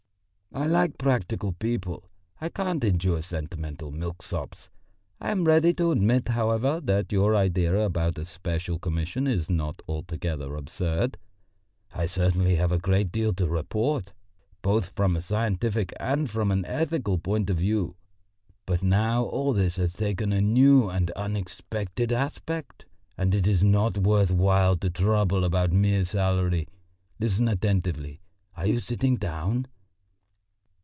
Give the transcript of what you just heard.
"I like practical people, and can't endure sentimental milk sops. I am ready to admit, however, that your idea about a special commission is not altogether absurd. I certainly have a great deal to report, both from a scientific and from an ethical point of view. But now all this has taken a new and unexpected aspect, and it is not worth while to trouble about mere salary. Listen attentively. Are you sitting down?"